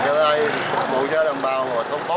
trà lai phục vụ cho đồng bào hồ thông tố